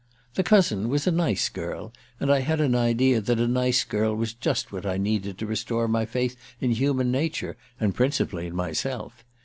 "The cousin was a nice girl, and I had an idea that a nice girl was just what I needed to restore my faith in human nature, and principally in myself.